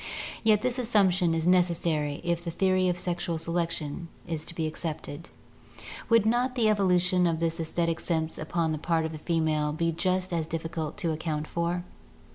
Yet this assumption is necessary if the theory of sexual selection be accepted. Would not the evolu tion of this aesthetic sense upon the part of the female be just as difficult to account for?